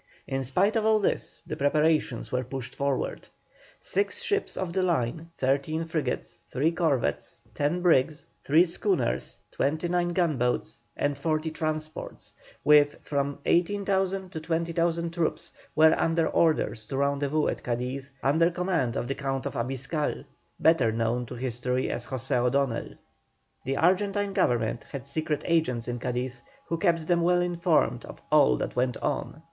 In spite of all this, the preparations were pushed forward. Six ships of the line, thirteen frigates, three corvettes, ten brigs, three schooners, twenty nine gunboats, and forty transports, with from 18,000 to 20,000 troops, were under orders to rendezvous at Cadiz, under command of the Count of Abisbal, better known to history as José O'Donnell. The Argentine Government had secret agents in Cadiz, who kept them well informed of all that went on.